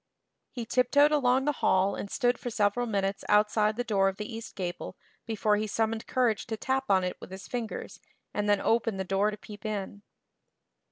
He tiptoed along the hall and stood for several minutes outside the door of the east gable before he summoned courage to tap on it with his fingers and then open the door to peep in.